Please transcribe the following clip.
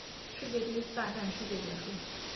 第一次世界大战结束